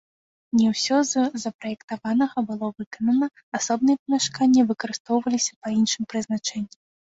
Не ўсё з запраектаванага было выканана, асобныя памяшканні выкарыстоўваліся па іншым прызначэнні.